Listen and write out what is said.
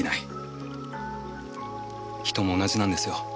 人も同じなんですよ。